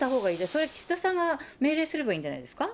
それ、岸田さんが命令すればいいんじゃないですか。